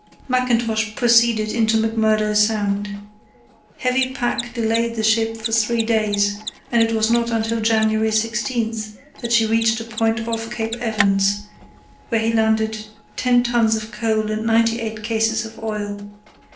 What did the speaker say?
Mackintosh proceeded into McMurdo Sound. Heavy pack delayed the ship for three days, and it was not until January 16 that she reached a point off Cape Evans, where he landed ten tons of coal and ninety eight cases of oil.